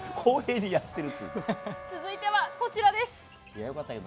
続いては、こちらです。